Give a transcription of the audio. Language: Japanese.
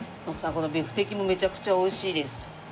このビフテキもめちゃくちゃ美味しいです。